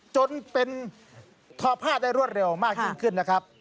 จนเป็นทอผ้าได้รวดเร็วมากยิ่งขึ้นนะครับ